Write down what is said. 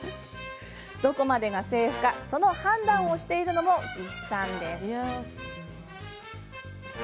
どこまでがセーフかその判断をしているのも技師さんです。